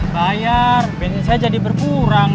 bayar bensin saya jadi berkurang